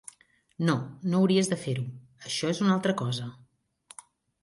No, no hauries de fer-ho: això és una altra cosa!